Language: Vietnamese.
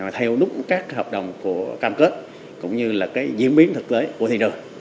theo đúng các hợp đồng của cam kết cũng như là diễn biến thực tế của thị trường